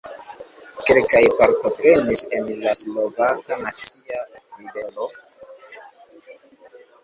Kelkaj partoprenis en la Slovaka Nacia Ribelo.